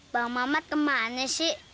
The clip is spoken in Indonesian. bang mamat kemana sih